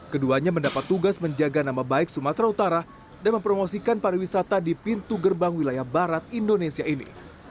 keduanya mendapat tugas menjaga nama baik sumatera utara dan mempromosikan pariwisata di pintu gerbang wilayah barat indonesia ini